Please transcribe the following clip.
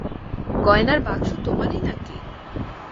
গয়নার বাক্স তোমারই নাকি?